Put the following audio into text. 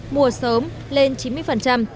mùa sớm lên chín mươi